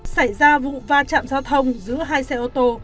xảy ra vụ pha chạm giao thông giữa hai xe ô tô